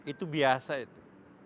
itu biasa itu